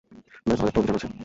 ব্যাস, আর একটা অভিযান আছে।